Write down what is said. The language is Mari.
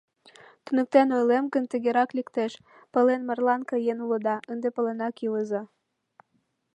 Туныктен ойлем гын, тыгерак лектеш: пален марлан каен улыда — ынде паленак илыза!